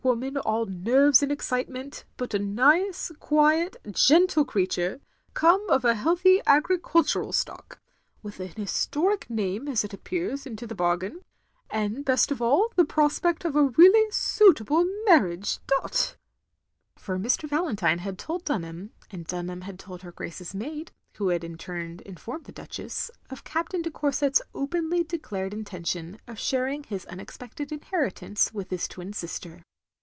n, all nerves and excite ment, but a nice, quiet, gentle creature, come of a healthy agricultural stock; with an historic name, as it appears, into the bargain ; and best of all, the prospect of a really statable marriage doV' For Mr. Valentine had told Dunham, and Dunham had told her Gmce's maid, who had in turn informed the Duchess, of Captain de Cotu set's openly declared intention of sharing his unexpected inheritance, with his twin sister.